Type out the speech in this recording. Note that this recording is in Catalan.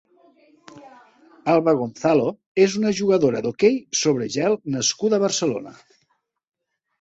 Alba Gonzalo és una jugadora d'hoquei sobre gel nascuda a Barcelona.